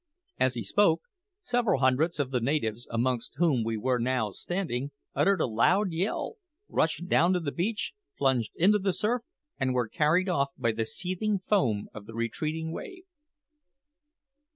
As he spoke, several hundreds of the natives, amongst whom we were now standing, uttered a loud yell, rushed down the beach, plunged into the surf, and were carried off by the seething foam of the retreating wave.